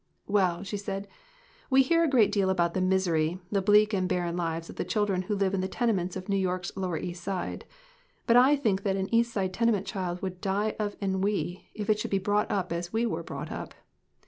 "Well," she said, "we hear a great deal about the misery, the bleak and barren lives of the chil dren who live in the tenements of New York's lower East Side. But I think that an East Side tenement child would die of ennui if it should be brought up as we were brought up.